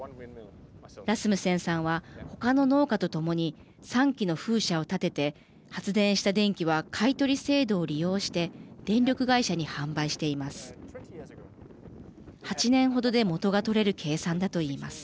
ラスムセンさんは他の農家と共に３基の風車を建てて発電した電気は買い取り制度を利用して電力会社に販売しています。